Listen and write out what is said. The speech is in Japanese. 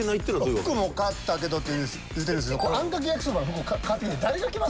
「服も買ったけど」って言ってるんですけどあんかけ焼きそばの服買ってきて誰が着ます？